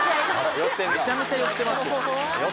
めちゃめちゃ寄ってますよ。